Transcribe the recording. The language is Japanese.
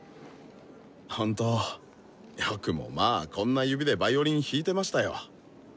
ほんとよくもまあこんな指でヴァイオリン弾いてましたよ。